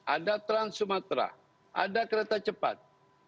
ada trans sumatera ada kereta cepat